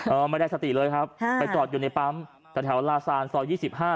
ไม่ได้สติเลยครับค่ะไปจอดอยู่ในปั๊มแถวลาซานซอยยี่สิบห้า